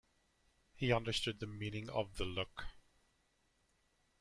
He understood the meaning of the look.